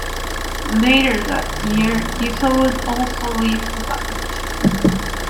Later that year, Izzo would also leave the band.